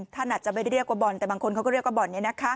ท่านอาจจะไม่ได้เรียกว่าบ่อนแต่บางคนเขาก็เรียกว่าบ่อนนี้นะคะ